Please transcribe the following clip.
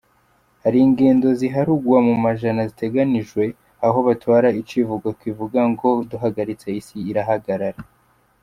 Hari ingendo ziharugwa mu majana ziteganijwe, aho batwara icivugo kivuga ngo "duhagaritse, isi irahagarara".